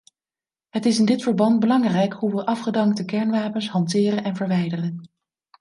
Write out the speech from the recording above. Het is in dit verband belangrijk hoe we afgedankte kernwapens hanteren en verwijderen.